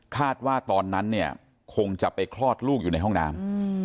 คาดว่าตอนนั้นเนี่ยคงจะไปคลอดลูกอยู่ในห้องน้ำ